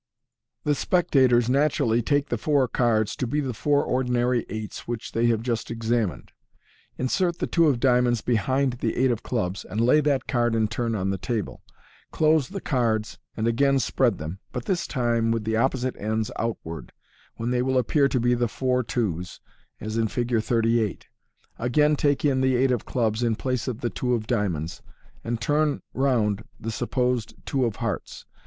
The spectators naturally take the four cards to be the four ordinary eights which they have just examined. Insert the two of diamonds behind the eight of clubs, and lay that card in turn on the table. Close the cards and again spread them, but this time with the opposite ends outward, when they will appear to be the four twos, as in Fig. 38. Again take in the eight of clubs in place of the two of diamonds, and turn round the supposed two of hearts.